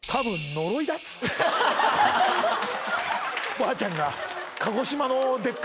ばあちゃんが。